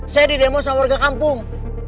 saya di demo sama warga kampung